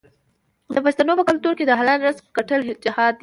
د پښتنو په کلتور کې د حلال رزق ګټل جهاد دی.